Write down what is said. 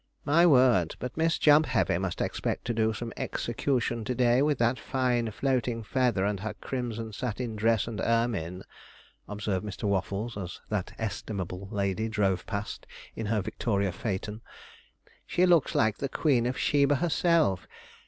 'My word, but Miss Jumpheavy must expect to do some execution to day with that fine floating feather and her crimson satin dress and ermine,' observed Mr. Waffles, as that estimable lady drove past in her Victoria phaeton. 'She looks like the Queen of Sheba herself.